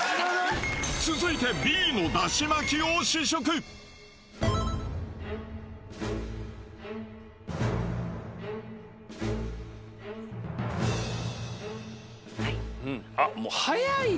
続いてＢのだし巻きをはい。